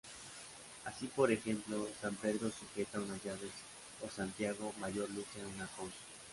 Así por ejemplo, San Pedro sujeta unas llaves o Santiago Mayor luce una concha.